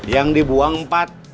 yang dibuang empat